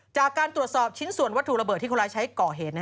จากการตรวจสอบชิ้นส่วนวัตถุระเบิดที่คนร้ายใช้ก่อเหตุ